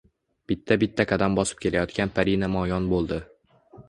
bitta-bitta qadam bosib kelayotgan pari namoyon boʼldi.